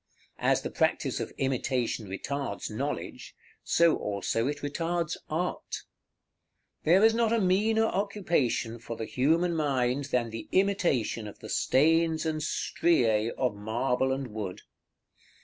As the practice of imitation retards knowledge, so also it retards art. There is not a meaner occupation for the human mind than the imitation of the stains and striæ of marble and wood.